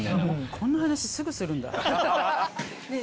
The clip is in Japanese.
こんな話すぐするんだねぇ